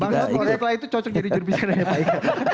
bangsa polri setelah itu cocok jadi jurubisikannya pak ik